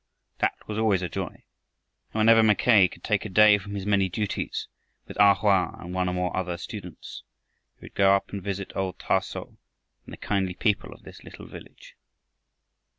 That was always a joy, and whenever Mackay could take a day from his many duties, with A Hoa and one or more other students, he would go up and visit old Thah so and the kindly people of this little village.